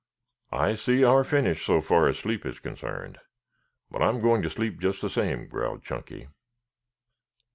"I see our finish so far as sleep is concerned. But I am going to sleep just the same," growled Chunky.